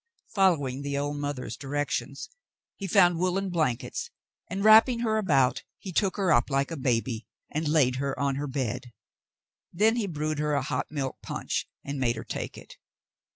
Following the old moth er's directions, he found woollen blankets and, wrapping her about, he took her up like a baby and laid her on her bed. Then he brewed her a hot milk punch and made her take it.